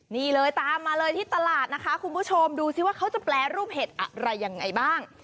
นี่เลยตามมาเลยที่ตลาดนะคะคุณผู้ชมดูสิว่าเขาจะแปรรูปเห็ดอะไรยังไงบ้าง